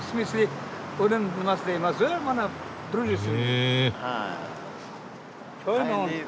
へえ。